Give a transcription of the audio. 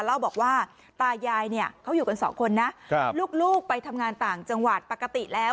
เล่าบอกว่าตายายเนี่ยเขาอยู่กันสองคนนะครับลูกไปทำงานต่างจังหวัดปกติแล้ว